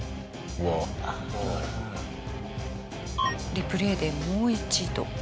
リプレイでもう一度。